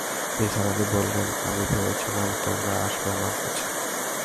নিসার আলি বললেন, আমি ভেবেছিলাম তোমরা আসবে আমার কাছে।